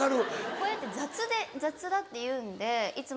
こうやって雑だって言うんでいつも。